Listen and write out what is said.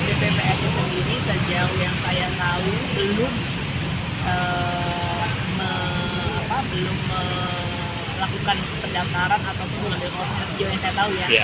tapi bppss sendiri sejauh yang saya tahu belum melakukan perdaftaran atau melakukan operasi sejauh yang saya tahu ya